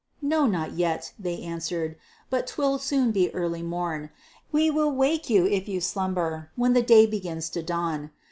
"No, not yet," they answered, "but 'twill soon be early morn; We will wake you, if you slumber, when the day begins to dawn."